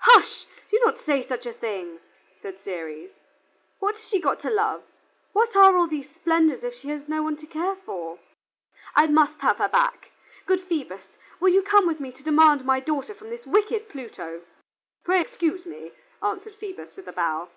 "Hush! do not say such a thing," said Ceres. "What has she got to love? What are all these splendors if she has no one to care for? I must have her back. Good Phoebus, will you come with me to demand my daughter from this wicked Pluto?" "Pray excuse me," answered Phoebus, with a bow.